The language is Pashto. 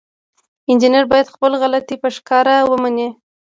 انجینر باید خپله غلطي په ښکاره ومني.